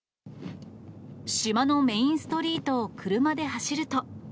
島のメインストリートを車で走ると。